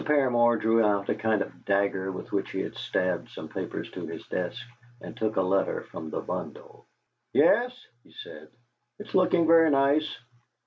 Paramor drew out a kind of dagger with which he had stabbed some papers to his desk, and took a letter from the bundle. "Yes," he said, "it's looking very nice.